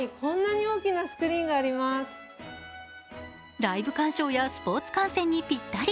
ライブ鑑賞やスポーツ観戦にぴったり。